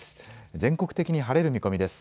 全国的に晴れる見込みです。